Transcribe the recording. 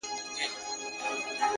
صبر د ستونزو شور اراموي.!